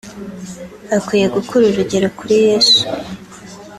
bakwiye gukura urugero kuri Yesu